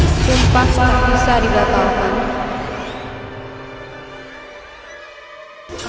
sumpah tak bisa diberitahukan